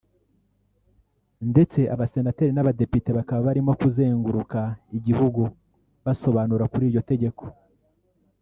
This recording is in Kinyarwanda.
ndetse Abasenateri n’Abadepite bakaba barimo kuzenguruka Igihugu basobanura kuri iryo tegeko